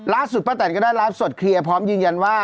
ลาฟสุดป้าแต่นก็ได้ลาฟสุดเคลียร์พร้อมยืนยันว่า